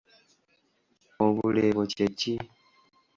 Obuleebo kye ki?